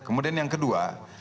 kemudian yang kedua